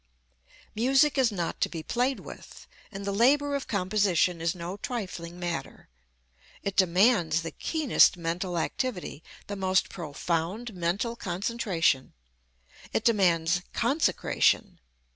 Music is not to be played with, and the labor of composition is no trifling matter. It demands the keenest mental activity, the most profound mental concentration. It demands consecration.